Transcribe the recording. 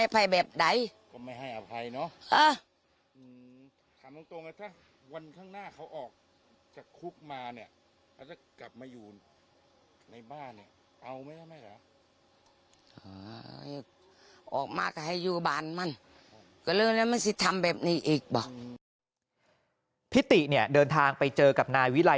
พี่ติเนี่ยเดินทางไปเจอกับนายวิรัย